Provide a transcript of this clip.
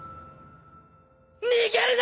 逃げるな！